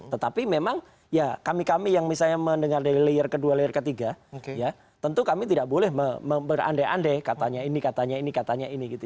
tetapi memang kami kami yang mendengar dari layer kedua layer ketiga tentu kami tidak boleh berande ande katanya ini katanya ini katanya ini